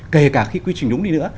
kể cả khi quy trình đúng đi nữa